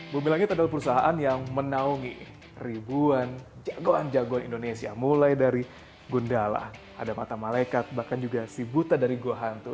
bumi langit adalah perusahaan yang menaungi ribuan jagoan jagoan indonesia mulai dari gundala ada mata malaikat bahkan juga si buta dari gohantu